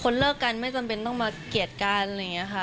เลิกกันไม่จำเป็นต้องมาเกลียดกันอะไรอย่างนี้ค่ะ